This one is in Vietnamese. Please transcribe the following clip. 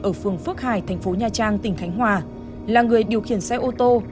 ở phường phước hải thành phố nha trang tỉnh khánh hòa là người điều khiển xe ô tô